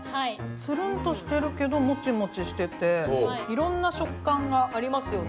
つるんとしてるけど、モチモチしてて、いろんな食感がありますよね。